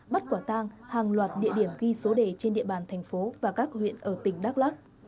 bắt quả tang hàng loạt địa điểm ghi số đề trên địa bàn thành phố và các huyện ở tỉnh đắk lắc